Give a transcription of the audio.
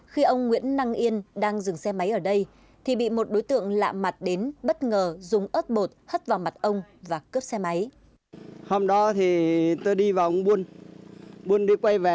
khi ông nguyễn năng yên đang dừng xe máy ở đây thì bị một đối tượng lạ mặt đến bất ngờ dùng ớt bột hất vào mặt ông và cướp xe máy